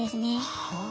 はあ。